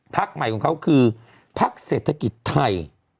พรรคใหม่ของเขาคือพรรคเศรษฐกิจไทย